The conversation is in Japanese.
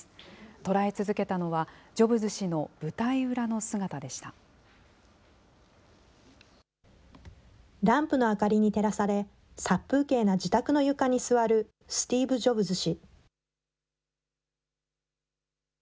捉え続けたのは、ジョブズ氏の舞ランプの明かりに照らされ、殺風景な自宅の床に座るスティーブ・ジョブズ氏。